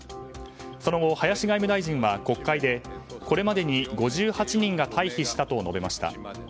その後、林外務大臣は国会でこれまでに５８人が退避したと述べました。